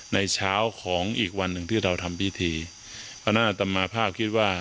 ในเช้าของอีกวันหนึ่งที่เราทำพิธีพระราชมาภาพคิดว่า